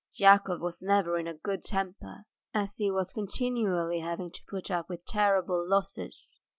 Yakov was never in a good temper, as he was continually having to put up with terrible losses.